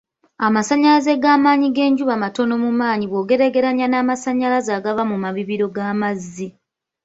Amasannyalaze g'amaanyi g'enjuba matono mu maanyi bwogeraagerannya n'amasannyalaze agava mu mabibiro g'amazzi.